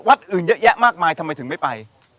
วัดอื่นเยอะแยะมากมายทำไมถึงไม่ไป